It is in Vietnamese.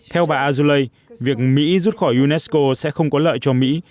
theo bà azuelai việc mỹ rút khỏi unesco sẽ không có lợi cho mỹ